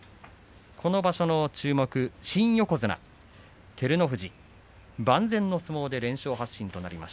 この場所の注目、新横綱照ノ富士万全の相撲で連勝発進となっています。